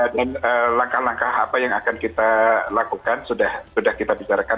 dan langkah langkah apa yang akan kita lakukan sudah kita bicarakan